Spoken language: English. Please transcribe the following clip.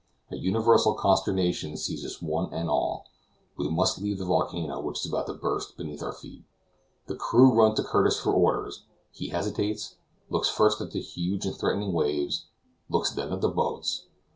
A universal consternation seizes one and all; we must leave the volcano which is about to burst beneath our feet. The crew run to Curtis for orders. He hesitates; looks first at the huge and threatening waves; looks then at the boats.